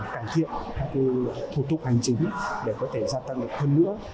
cải thiện các thủ tục hành chính để có thể gia tăng được hơn nữa